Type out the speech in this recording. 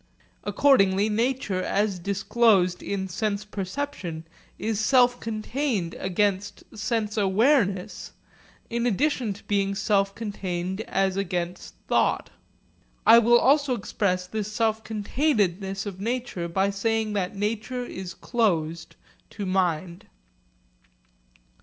Accordingly nature as disclosed in sense perception is self contained as against sense awareness, in addition to being self contained as against thought. I will also express this self containedness of nature by saying that nature is closed to mind.